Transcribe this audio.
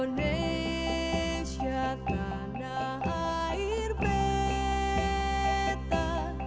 indonesia tanah air beta